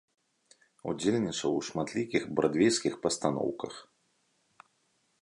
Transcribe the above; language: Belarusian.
Удзельнічаў у шматлікіх брадвейскіх пастаноўках.